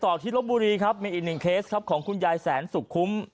ก็บอกที่ลบบุรีครับมีอีกหนึ่งเคสของคุณยายแสงสุขุม